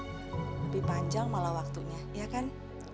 lebih panjang malah waktunya ya kan